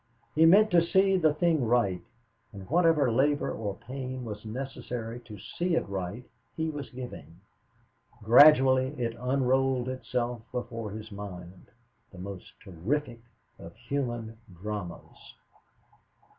He meant to see the thing right, and whatever labor or pain was necessary to see it right he was giving. Gradually it unrolled itself before his mind the most terrific of human dramas.